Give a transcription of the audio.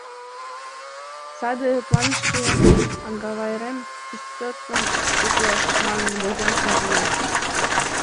Саде планышке, «агавайрем кӱсотым куклаш» манын, возен шынденыт.